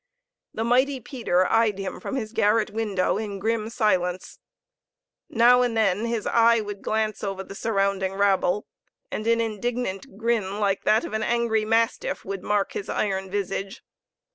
The mighty Peter eyed him from his garret window in grim silence. Now and then his eye would glance over the surrounding rabble, and an indignant grin, like that of an angry mastiff, would mark his iron visage.